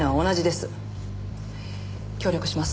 協力します。